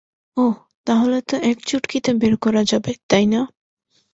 ওহ, তাহলে তো এক চুটকিতে বের করা যাবে, তাই না?